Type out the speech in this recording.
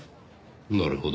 なるほど。